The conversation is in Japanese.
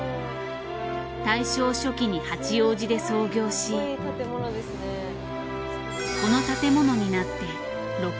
大正初期に八王子で創業しこの建物になって６６年。